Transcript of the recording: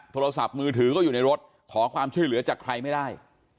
โทรศัพท์มือถือก็อยู่ในรถขอความช่วยเหลือจากใครไม่ได้